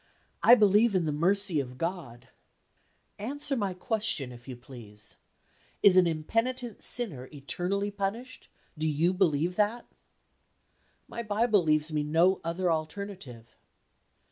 "I believe in the mercy of God." "Answer my question, if you please. Is an impenitent sinner eternally punished? Do you believe that?" "My Bible leaves me no other alternative."